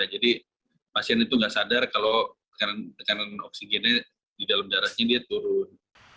jadi pasien itu tidak sadar kalau tekanan oksigennya di dalam darahnya dia turun